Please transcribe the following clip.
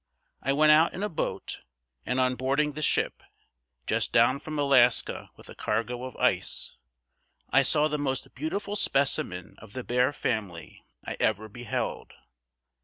I went out in a boat, and on boarding the ship, just down from Alaska with a cargo of ice, I saw the most beautiful specimen of the bear family I ever beheld.